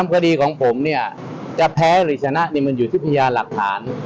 คดีของผมเนี่ยจะแพ้หรือชนะมันอยู่ที่พยานหลักฐาน